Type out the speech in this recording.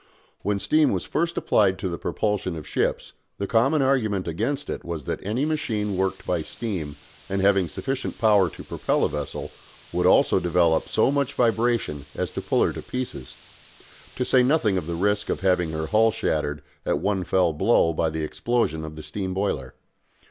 When steam was first applied to the propulsion of ships the common argument against it was that any machine worked by steam and having sufficient power to propel a vessel would also develop so much vibration as to pull her to pieces to say nothing of the risk of having her hull shattered at one fell blow by the explosion of the steam boiler.